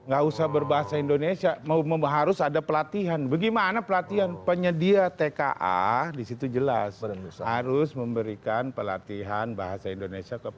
gak usah berbahasa indonesia harus ada pelatihan bagaimana pelatihan penyedia tka di situ jelas harus memberikan pelatihan bahasa indonesia